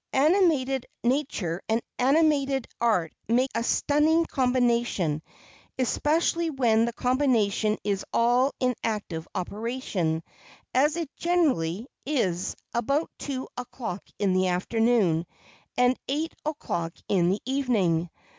Animated nature and animated art make a stunning combination, especially when the combination is all in active operation, as it generally is about two o clock in the afternoon and eight o'clock in the evening.